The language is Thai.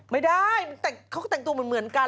ไม่ได้เขาก็แต่งตัวเหมือนกัน